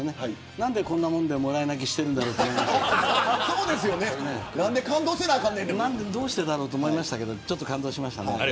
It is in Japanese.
何で、こんなもんでもらい泣きしてるんだろうとそうですよね、何でどうしてだろうと思いましたけどちょっと感動しましたね。